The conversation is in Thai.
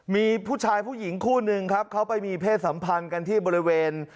มีผู้ชายผู้หญิงคู่นึงครับเขาไปมีเพศสัมพันธ์กันที่บริเวณ